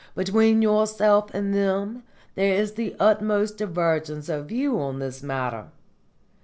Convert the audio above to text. Between yourself and them there is the utmost divergence of view on this matter.